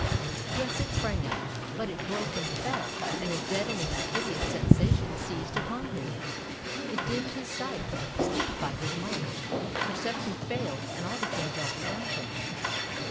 Yes, it sprang up, but it broke and fell, and a deadening hideous sensation seized upon him. It dimed his sight, stupefied his mind! perception failed, and all became dark around him.